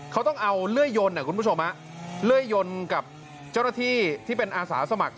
เขาต้องเอาเลื่อยยนคุณผู้ชมเลื่อยยนกับเจ้าหน้าที่ที่เป็นอาสาสมัคร